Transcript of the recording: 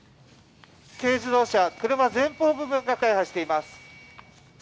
軽自動車車前方部分が大破しています。